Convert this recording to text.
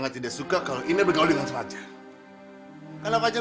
yaudah selamat tinggal ya